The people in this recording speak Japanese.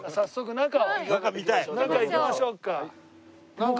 中行きましょうか。